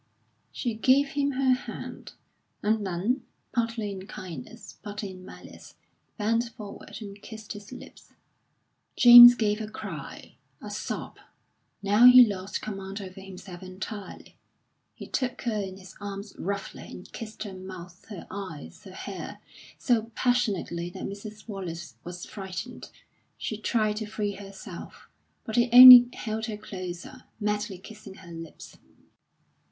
She gave him her hand, and then, partly in kindness, partly in malice, bent forward and kissed his lips. James gave a cry, a sob; now he lost command over himself entirely. He took her in his arms roughly, and kissed her mouth, her eyes, her hair so passionately that Mrs. Wallace was frightened. She tried to free herself; but he only held her closer, madly kissing her lips.